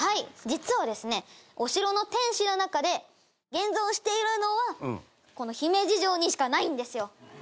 実はですねお城の天守の中で現存しているのはこの姫路城にしかないんですよ。